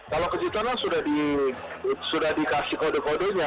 kalau kejutan lah sudah dikasih kode kodenya